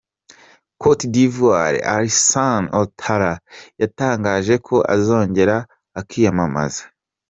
Cote d’ Ivoire Alassane Ouattara yatangaje ko azongera akiyamamaza.